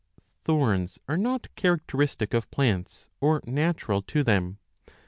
Thorns are not characteristic of plants or natural to them.